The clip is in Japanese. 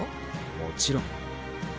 もちろん。